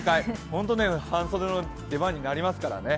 本当に半袖の出番になりますからね。